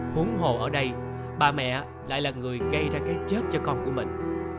huống hồ ở đây bà mẹ lại là người gây ra cái chết cho con của mình